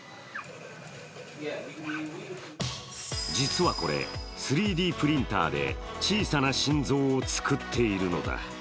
実はこれ、３Ｄプリンターで小さな心臓を作っているのだ。